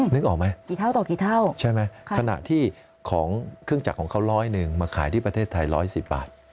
นึกออกไหมใช่ไหมขณะที่ของเครื่องจักรของเขา๑๐๐มาขายที่ประเทศไทย๑๑๐บาท